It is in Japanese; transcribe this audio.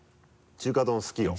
中華丼好きよ。